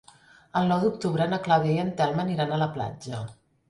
El nou d'octubre na Clàudia i en Telm aniran a la platja.